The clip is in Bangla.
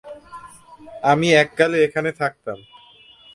আমি এককালে এখানে থাকতাম।